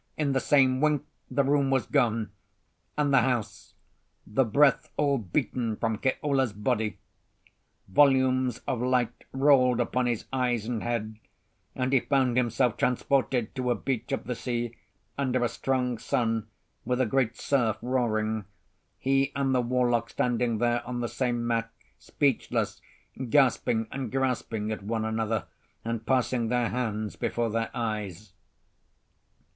In the same wink the room was gone and the house, the breath all beaten from Keola's body. Volumes of light rolled upon his eyes and head, and he found himself transported to a beach of the sea under a strong sun, with a great surf roaring: he and the warlock standing there on the same mat, speechless, gasping and grasping at one another, and passing their hands before their eyes.